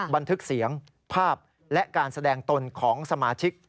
บันทึกเสียงภาพและการแสดงตนของสมาชิก